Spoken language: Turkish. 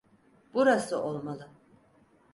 Burası olmalı.